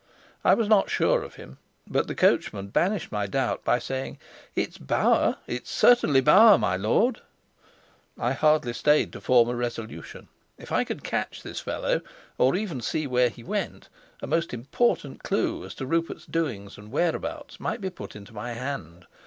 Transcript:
I was not sure of him, but the coachman banished my doubt by saying, "It's Bauer it's certainly Bauer, my lord." I hardly stayed to form a resolution. If I could catch this fellow or even see where he went, a most important clue as to Rupert's doings and whereabouts might be put into my hand.